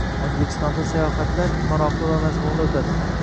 O‘zbekistonda sayohatlar maroqli va mazmunli o‘tadi